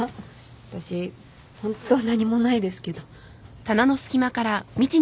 私ホント何もないですけど。